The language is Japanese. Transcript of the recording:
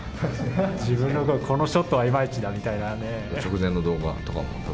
自分の、このショットはいまいちだみたいなね。